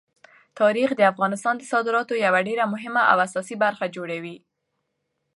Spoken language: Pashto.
تاریخ د افغانستان د صادراتو یوه ډېره مهمه او اساسي برخه جوړوي.